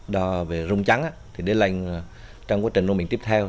đo về rung trắng thì đến lần trong quá trình nổ mìn tiếp theo